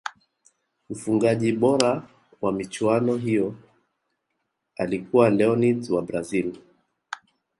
mfungaji bora wa michuano hiyo ya alikuwa leonids wa Brazil